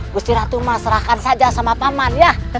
gusti ratu mah serahkan saja sama paman ya